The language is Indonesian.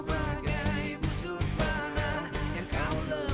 malah korban asal loge gue